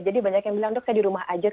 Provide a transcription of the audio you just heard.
jadi banyak yang bilang dok saya di rumah ajut